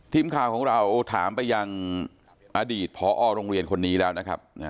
ทีมข่าวของเราถามไปยังอดีตพอโรงเรียนคนนี้แล้วนะครับ